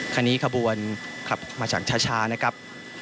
คันนี้กระบวนมาจากชานะครับ